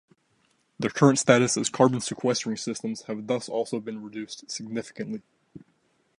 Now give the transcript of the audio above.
Their current status as carbon sequestering systems have thus also been reduced significantly.